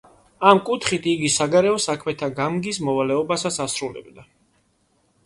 ამ კუთხით იგი საგარეო საქმეთა გამგის მოვალეობასაც ასრულებდა.